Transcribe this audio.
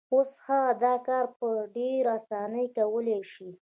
اوس هغه دا کار په ډېرې اسانۍ کولای شي.